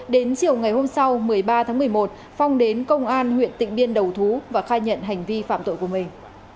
đến chiều ngày hôm sau một mươi ba tháng một mươi một phong đến công an huyện tịnh biên đầu thú và khai nhận hành vi phạm tội của mình